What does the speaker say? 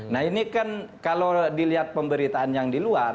nah ini kan kalau dilihat pemberitaan yang di luar